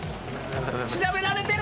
調べられている。